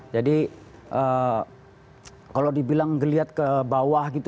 jadi kalau dibilang ngeliat ke bawah gitu